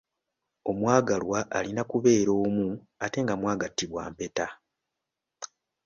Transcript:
Omwagalwa alina kubeera omu ate nga mwagattibwa empeta.